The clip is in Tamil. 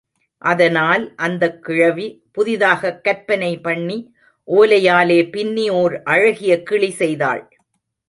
அதனால் அந்தக் கிழவி புதிதாகக் கற்பனை பண்ணி ஓலையாலே பின்னி ஓர் அழகிய கிளி செய்தாள்.